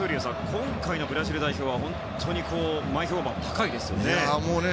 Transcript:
今回のブラジル代表は本当に前評判が高いですね。